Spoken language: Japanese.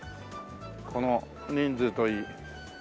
この人数といい。